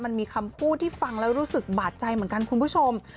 มันมีคำพูดที่ฟังแล้วรู้สึกบาดใจเหมือนกันคุณผู้ชม